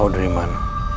asistennya mas al